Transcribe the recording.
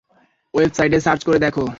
ওয়েবসাইটে সার্চ করে দেখ।